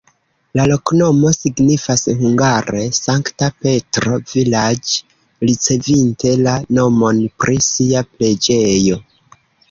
La loknomo signifas hungare: Sankta Petro-vilaĝ', ricevinte la nomon pri sia preĝejo.